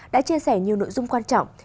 đã chia sẻ nhiều nội dung quan trọng